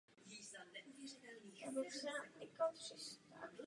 Burgundské.